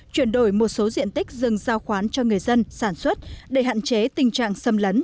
chuyển đổi một số diện tích rừng giao khoán cho người dân sản xuất để hạn chế tình trạng xâm lấn